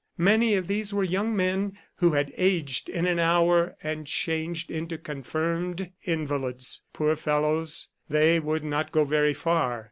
Many of these were young men who had aged in an hour and changed into confirmed invalids. Poor fellows! They would not go very far!